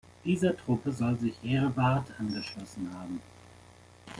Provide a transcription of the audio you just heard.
Dieser Truppe soll sich Hereward angeschlossen haben.